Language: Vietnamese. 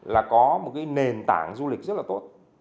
là có một cái nền tảng du lịch rất là tốt